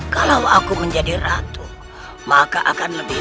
kalau aku menjadi ratu maka akan lebih